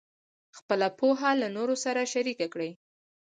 خپله پوهه له نورو سره شریکه کړئ.